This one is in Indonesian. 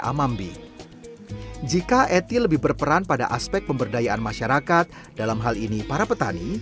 amambing jika eti lebih berperan pada aspek pemberdayaan masyarakat dalam hal ini para petani